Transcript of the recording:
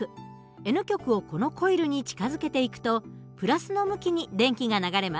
Ｎ極をこのコイルに近づけていくと＋の向きに電気が流れます。